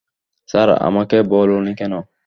Sir--- - আমাকে বলোনি কেন?